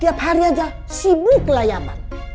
tiap hari aja sibuk kelayaman